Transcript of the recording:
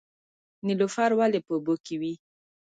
نیلوفر ولې په اوبو کې وي؟